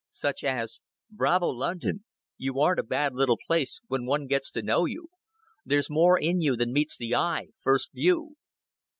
Such as: "Bravo, London! You aren't a bad little place when one gets to know you. There's more in you than meets the eye, first view."